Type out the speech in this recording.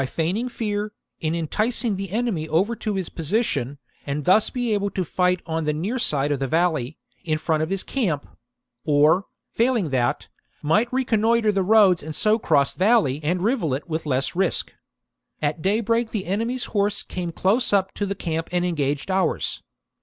C. feigning fear, in enticing the enemy over to his position, and thus be able to fight on the near side of the valley, in front of his camp ; or, failing that, might reconnoitre the roads and so cross valley ,and rivulet with less risk. At day break the enemy's horse came close up to the camp and engaged ours.